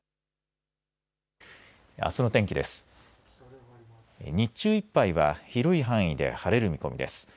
日中いっぱいは広い範囲で晴れる見込みです。